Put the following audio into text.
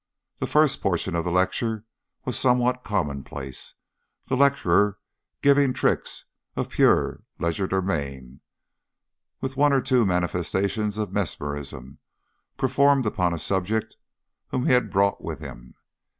The first portion of the lecture was somewhat commonplace, the lecturer giving tricks of pure legerdemain, with one or two manifestations of mesmerism, performed upon a subject whom he had brought with him.